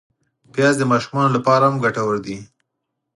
پیاز د ماشومانو له پاره هم ګټور دی